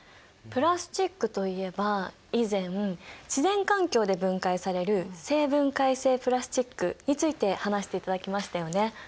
プラスチックといえば以前自然環境で分解される生分解性プラスチックについて話していただきましたよね。